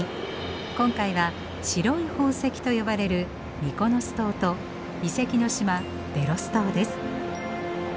今回は白い宝石と呼ばれるミコノス島と遺跡の島デロス島です。